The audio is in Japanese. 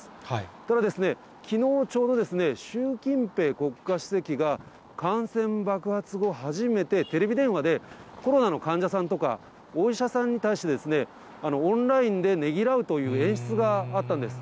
ただですね、きのうちょうど、習近平国家主席が、感染爆発後初めてテレビ電話で、コロナの患者さんとかお医者さんに対して、オンラインでねぎらうという演出があったんです。